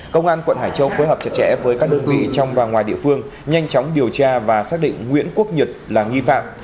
công an quận hải châu phối hợp chặt chẽ với các đơn vị trong và ngoài địa phương nhanh chóng điều tra và xác định nguyễn quốc nhật là nghi phạm